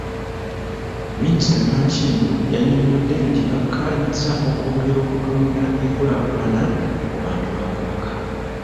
Minisita Nankindu yannyonyodde nti bakkaanyizza okwongera okutumbula enkulaakulana mu bantu ba Kabaka.